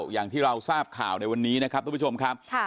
อย่างที่เราทราบข่าวในวันนี้นะครับทุกผู้ชมครับ